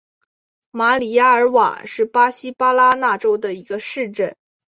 马里亚尔瓦是巴西巴拉那州的一个市镇。